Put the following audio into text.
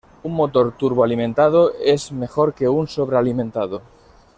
Un motor turboalimentado es mejor que un sobrealimentado.